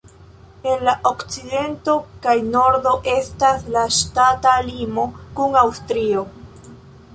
En la okcidento kaj nordo estas la ŝtata limo kun Aŭstrio.